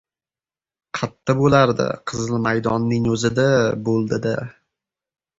— Qatta bo‘lardi, Qizil Maydonning o‘zida bo‘ldi- da...